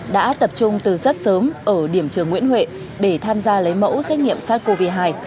đã tập trung từ rất sớm ở điểm trường nguyễn huệ để tham gia lấy mẫu xét nghiệm sars cov hai